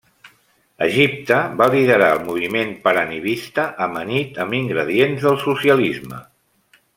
Egipte va liderar el moviment panarabista amanit amb ingredients del socialisme.